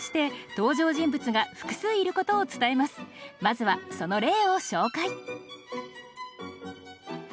まずはその例を紹介。